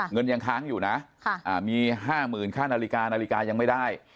เงินยังค้างอยู่นะมี๕๐๐๐ค่านาฬิกานาฬิกายังไม่ได้